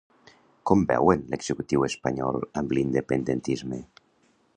Com veuen l'executiu espanyol amb l'independentisme?